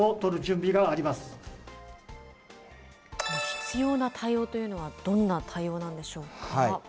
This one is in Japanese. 必要な対応というのは、どんな対応なんでしょうか。